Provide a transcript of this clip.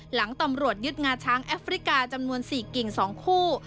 หลังตำรวจยึดงาช้างแอฟริกาจำนวน๔กิ่ง๒คู่